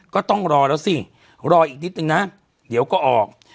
ก็ต้องรอแล้วสิรออีกนิดนึงนะเดี๋ยวก็ออก